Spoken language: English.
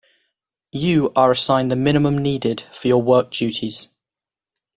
You are assigned the minimum needed for your work duties.